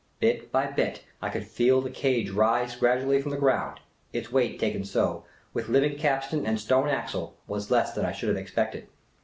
Bit by bit, I could feel the cage rise gradually from the ground ; its weight, taken so, with living capstan and stone axle, was less than I should have expected.